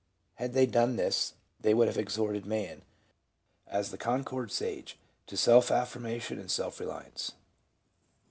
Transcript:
Had they done this, they would have exhorted man, as the Concord Sage, to self affirmation and self reliance.